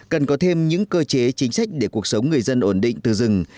cần có thêm những cơ chế chính sách để cuộc sống người dân ổn định từ rừng